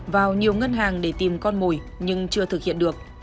vào nhiều ngân hàng để tìm con mồi nhưng chưa thực hiện được